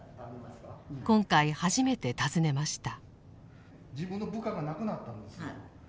今回初めて訪ねました。